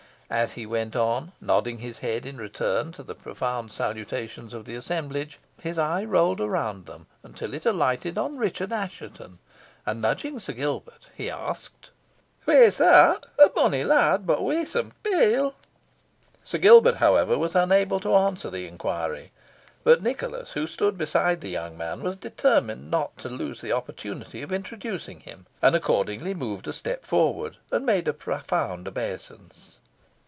As he went on, nodding his head in return to the profound salutations of the assemblage, his eye rolled round them until it alighted on Richard Assheton, and, nudging Sir Gilbert, he asked "Wha's that? a bonnie lad, but waesome pale." Sir Gilbert, however, was unable to answer the inquiry; but Nicholas, who stood beside the young man, was determined not to lose the opportunity of introducing him, and accordingly moved a step forward, and made a profound obeisance.